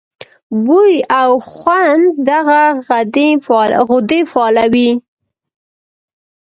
بوۍ او خوند دغه غدې فعالوي.